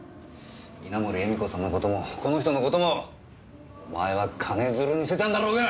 稲盛絵美子さんの事もこの人の事もお前は金づるにしてたんだろうが！